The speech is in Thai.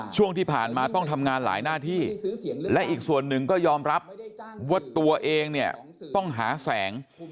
ช่วงที่ผ่านมาต้องทำงานหลายหน้าที่และอีกส่วนหนึ่งก็ยอมรับว่าตัวเองเนี่ยต้องหาแสง